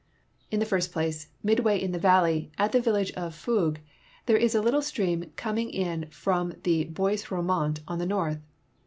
In the first place, midway in the valley, at the village of Foug, there is a little stream coming in from the Bois Romont on the north.